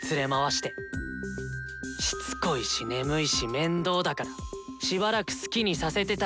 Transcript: しつこいし眠いし面倒だからしばらく好きにさせてたんだけど。